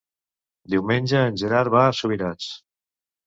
Diumenge en Gerard va a Subirats.